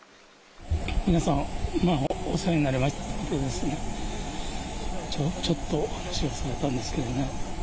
皆さん、お世話になりましたと、ちょっとお話しされたんですけどね。